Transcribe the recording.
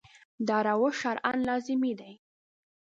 دا روش شرعاً لازمي دی.